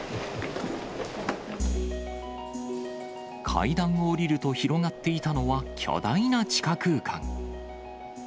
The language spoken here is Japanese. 階段を下りると広がっていたのは巨大な地下空間。